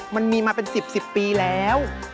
มันมีมาเป็น๑๐ปีแล้ว